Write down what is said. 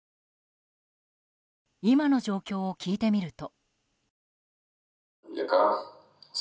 今の状況を聞いてみると。